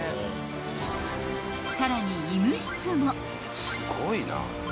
［さらに医務室も］